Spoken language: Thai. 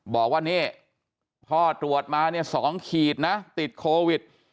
บอกว่านี่พ่อตรวจมาเนี่ย๒ขีดนะติดโควิด